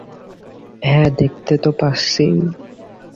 হ্যাঁ, দেখতে তো পাচ্ছিই।